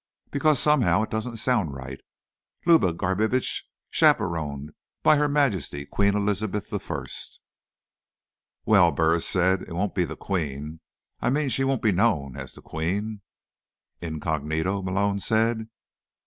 Because somehow it doesn't sound right: Luba Garbitsch, chaperoned by Her Majesty Queen Elizabeth I." "Well," Burris said, "it won't be the Queen. I mean, she won't be known as the Queen." "Incognito?" Malone said.